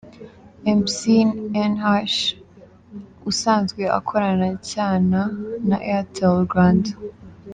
Mc N'Hash usanzwe akorana cyana na Airtel Rwanda.